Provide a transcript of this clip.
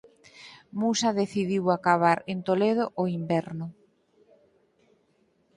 Musa decidiu acabar en Toledo o inverno.